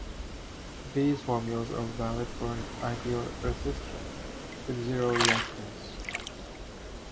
These formulas are valid for an ideal resistor, with zero reactance.